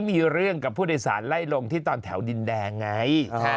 มีเรื่องกับผู้โดยสารไล่ลงที่ตอนแถวดินแดงไง